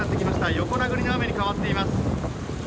横殴りの雨に変わっています。